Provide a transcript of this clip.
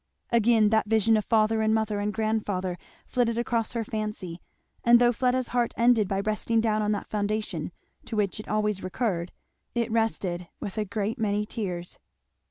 Again that vision of father and mother and grandfather flitted across her fancy; and though Fleda's heart ended by resting down on that foundation to which it always recurred, it rested with a great many tears.